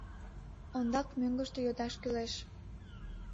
— Ондак мӧҥгыштӧ йодаш кӱлеш.